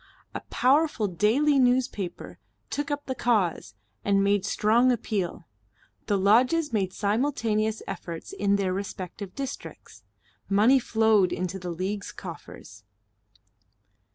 A powerful daily newspaper took up the cause and made strong appeal. The Lodges made simultaneous efforts in their respective districts. Money flowed into the League's coffers.